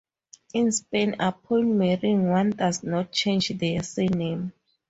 In Spain, upon marrying, one does not change their surname.